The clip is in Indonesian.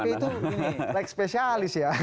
nah pdip itu like spesialis ya